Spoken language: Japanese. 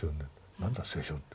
何だ聖書って？